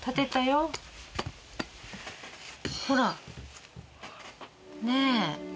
ほら。ねえ。